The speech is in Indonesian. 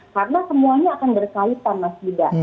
karena semuanya akan bersaip sama juga